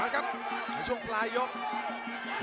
ครับในช่วงปลายยก